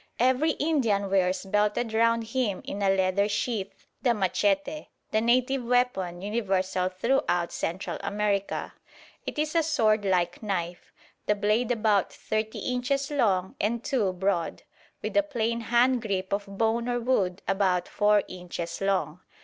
Every Indian wears belted round him in a leather sheath the machete, the native weapon universal throughout Central America. It is a sword like knife, the blade about thirty inches long and two broad, with a plain hand grip of bone or wood about four inches long.